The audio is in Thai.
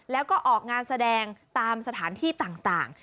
แล้วก็ออกงานแสดงตามสถานที่ต่าง